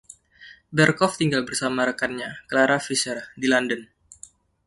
Berkoff tinggal bersama rekannya, Clara Fisher, di London.